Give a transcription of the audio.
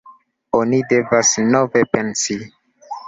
Oni devas nove pensi.